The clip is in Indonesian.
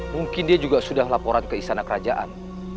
mungkin dia juga sudah laporan keisana kerajaan